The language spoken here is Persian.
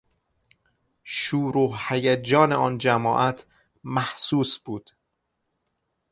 شور و هیجان آن جماعت محسوس بود.